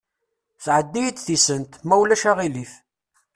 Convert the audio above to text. Sɛeddi-yi-d tisent, ma ulac aɣilif?